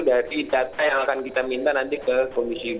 dari data yang akan kita minta nanti ke komisi empat